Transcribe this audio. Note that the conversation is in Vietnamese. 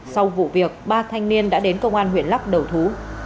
sau vụ việc ba thanh niên đã đến công an huyện lắc đầu thú